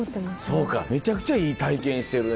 そうかめちゃくちゃいい体験してるね。